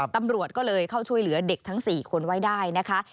ตำรวจก็เลยเข้าช่วยเหลือเด็กทั้ง๔คนไว้ได้นะคะ